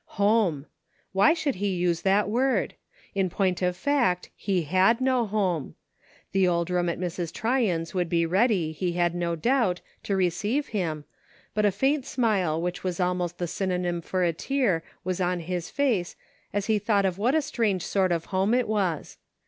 Home ! Why should he use that word ? In point of fact, he had no /lome. The old room at Mrs. Tryon's would be ready, he had no doubt, to receive him, but a faint smile which was almost the synonym for a tear, was on his face as he thought of what a strange sort of home it was.